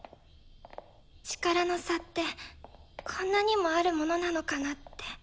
力の差ってこんなにもあるものなのかなって。